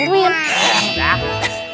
nggak boleh nggak bantuin